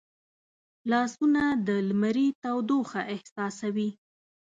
لاسونه د لمري تودوخه احساسوي